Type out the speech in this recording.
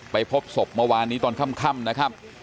พบศพเมื่อวานนี้ตอนค่ำนะครับ